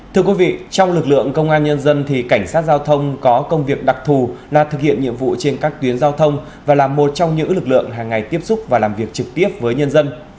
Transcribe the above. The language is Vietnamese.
thưa quý vị trong lực lượng công an nhân dân thì cảnh sát giao thông có công việc đặc thù là thực hiện nhiệm vụ trên các tuyến giao thông và là một trong những lực lượng hàng ngày tiếp xúc và làm việc trực tiếp với nhân dân